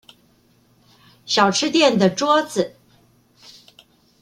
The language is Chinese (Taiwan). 小吃店的桌子